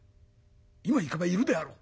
今行けばいるであろう」。